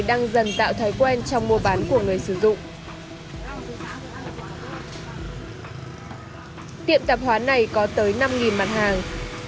đang dần tạo thói quen trong mua bán của người sử dụng tiệm tạp hóa này có tới năm mặt hàng